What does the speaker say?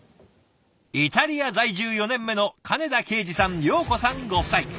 イタリア在住４年目の金田恵司さん洋子さんご夫妻。